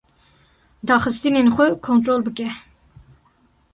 Daxistinên xwe kontol bike.